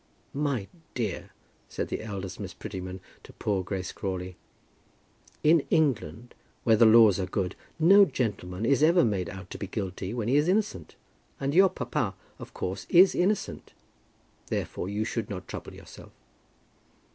"My dear," said the eldest Miss Prettyman to poor Grace Crawley, "in England, where the laws are good, no gentleman is ever made out to be guilty when he is innocent; and your papa, of course, is innocent. Therefore you should not trouble yourself."